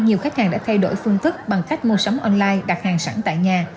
nhiều khách hàng đã thay đổi phương thức bằng cách mua sắm online đặt hàng sẵn tại nhà